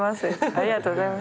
ありがとうございます。